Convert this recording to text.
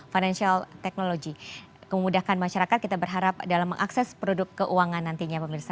financial technology kemudahkan masyarakat kita berharap dalam mengakses produk keuangan nantinya pemirsa